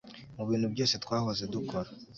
mubintu byose twahoze dukora